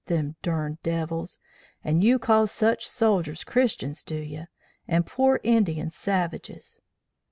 them durned devils! and you call sich soldiers Christians, do ye? and pore Indians savages!'